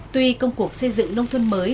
tuy công cuộc xây dựng nông thuân mới